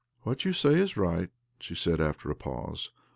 " What you say is rig^ht," she said after a pause.